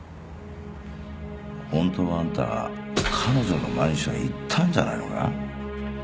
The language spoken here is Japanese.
本当はあんた彼女のマンションへ行ったんじゃないのか？